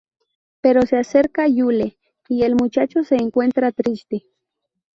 Pero se acerca Yule y el muchacho se encuentra triste.